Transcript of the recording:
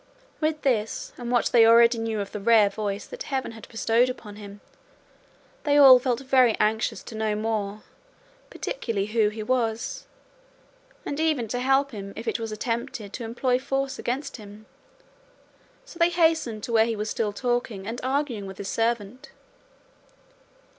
With this, and what they already knew of the rare voice that heaven had bestowed upon him, they all felt very anxious to know more particularly who he was, and even to help him if it was attempted to employ force against him; so they hastened to where he was still talking and arguing with his servant.